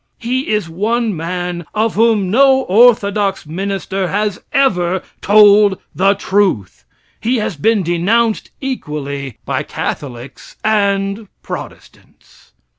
He is one man of whom no orthodox minister has ever told the truth. He has been denounced equally by Catholics and Protestants.